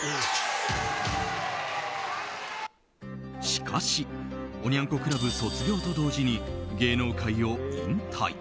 しかしおニャン子クラブ卒業と同時に芸能界を引退。